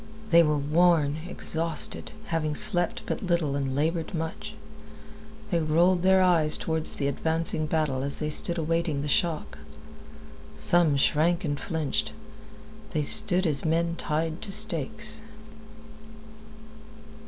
They were worn, exhausted, having slept but little and labored much. They rolled their eyes toward the advancing battle as they stood awaiting the shock. Some shrank and flinched. They stood as men tied to stakes.